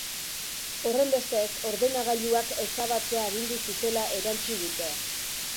Horrenbestez, ordenagailuak ezabatzea agindu zutela erantsi dute.